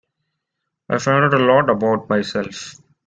I found out a lot about myself.